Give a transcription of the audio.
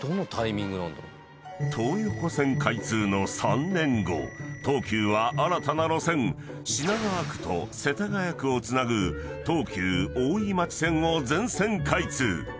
［東横線開通の３年後東急は新たな路線品川区と世田谷区をつなぐ東急大井町線を全線開通］